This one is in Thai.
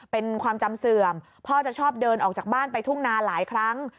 เป็นความจำเสื่อมพ่อจะชอบเดินออกจากบ้านไปทุ่งนาหลายครั้ง